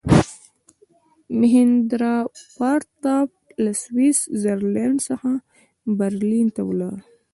میهندراپراتاپ له سویس زرلینډ څخه برلین ته ولاړ.